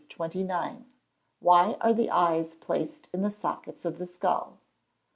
_Why are the eyes placed in the sockets of the skull?